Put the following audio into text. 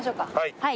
はい。